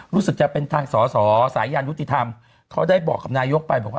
รู้สึกจะเป็นทางสอสอสายันยุติธรรมเขาได้บอกกับนายกไปบอกว่า